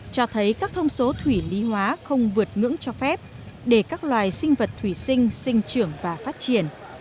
cho thấy các thông số thủy lý hóa không vượt ngưỡng cho phép để các loài sinh vật thủy sinh sinh trưởng và phát triển